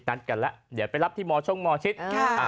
นัดกันแล้วเดี๋ยวไปรับที่มช่องมชิต